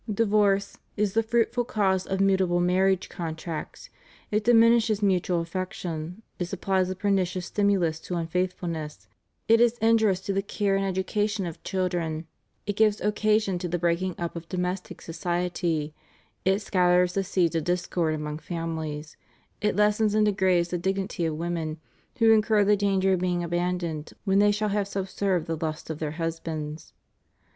Divorce "is the fruitful cause of mutable marriage con tracts; it diminishes mutual affection; it supplies a pernicious stimulus to unfaithfulness; it is injurious to the care and education of children; it gives occasion to the breaking up of domestic society; it scatters the seeds of discord among famihes; it lessens and degrades the dignity of women, who incur the danger of being abandoned when they shall have subserved the lust of their husbands.